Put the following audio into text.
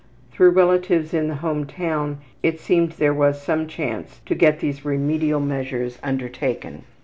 Through relatives in the home town it seemed there was some chance to get these remedial measures undertaken.